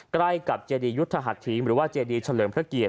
ใกล้กับเจดียุทธหัสถีมหรือว่าเจดีเฉลิมพระเกียรติ